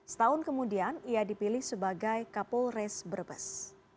setahun kemudian ia dipilih sebagai kapolres brebes